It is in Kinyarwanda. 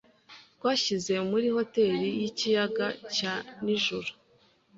Twashyize muri hoteri yikiyaga cya nijoro.